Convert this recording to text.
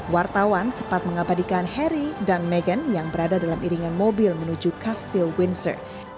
wartawan sempat mengabadikan harry dan meghan yang berada dalam iringan mobil menuju kastil windsor